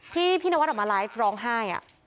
ที่พี่นวัดออกมาไลฟ์ร้องไห้